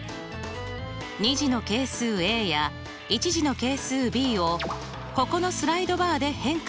２次の係数や１次の係数ｂをここのスライドバーで変化させます。